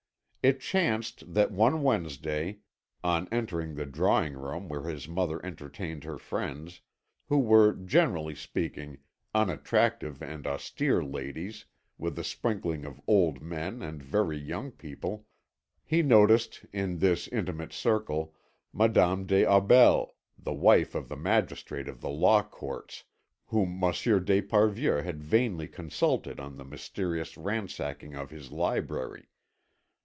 It chanced that one Wednesday, on entering the drawing room where his mother entertained her friends who were, generally speaking, unattractive and austere ladies, with a sprinkling of old men and very young people he noticed, in this intimate circle, Madame des Aubels, the wife of the magistrate at the Law Courts, whom Monsieur d'Esparvieu had vainly consulted on the mysterious ransacking of his library.